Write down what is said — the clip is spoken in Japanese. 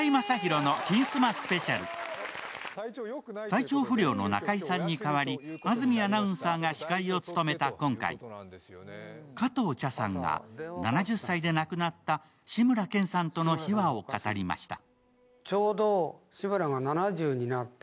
体調不良の中居さんに代わり、安住アナウンサーが司会を務めた今回、加藤茶さんが７０歳で亡くなった志村けんさんとの秘話を語りました。